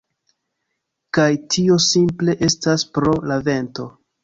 Kaj tio simple estas pro la vento.